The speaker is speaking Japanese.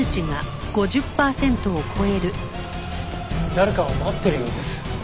誰かを待ってるようです。